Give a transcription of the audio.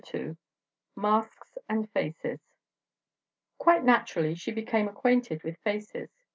II MASKS AND FACES Quite naturally she became acquainted with Faces....